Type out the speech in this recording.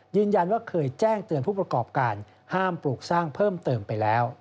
ยืนยันว่าเคยแจ้งเตือนผู้ประกอบการห้ามปลูกสร้างเพิ่มเติมไปแล้ว